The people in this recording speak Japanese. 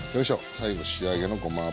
最後仕上げのごま油。